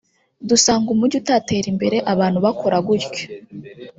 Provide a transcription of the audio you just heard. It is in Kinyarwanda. dusanga umujyi utatera imbere abantu bakora gutyo